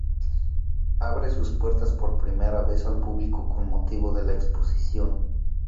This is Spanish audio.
Abre sus puertas por primera vez al público con motivo de la exposición.